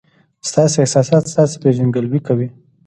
ستاسي احساسات ستاسي پېژندګلوي کوي.